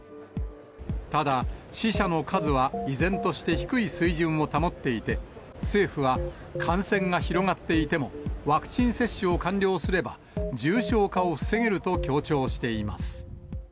ただ死者の数は依然として低い水準を保っていて、政府は感染が広がっていても、ワクチン接種を完了すれば、重症化を防げると強調しています。